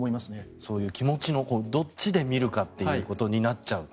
そういう気持ちのどっちで見るかということになっちゃう。